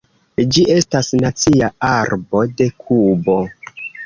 Ĝi estas nacia arbo de Kubo.